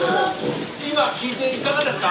今聞いていかがですか？